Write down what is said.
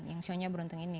yang show nya beruntung ini